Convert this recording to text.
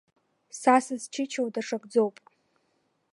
Са сызчычоу даҽакӡоуп.